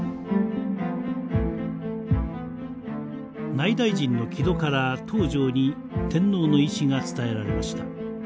内大臣の木戸から東条に天皇の意思が伝えられました。